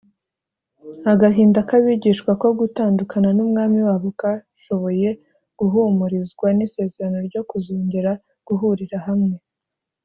. Agahinda k’abigishwa ko gutandukana n’Umwami wabo kashoboye guhumurizwa n’isezerano ryo kuzongera guhurira hamwe,